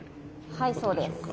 はいそうです。